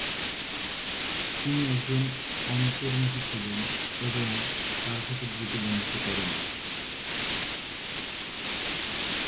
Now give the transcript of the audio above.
তিনি একজন অন্তর্মুখী ছিলেন এবং কারও সাথে দ্রুত বন্ধুত্ব করেননি।